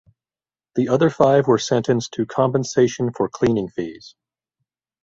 The other five were sentenced to compensation for cleaning fees.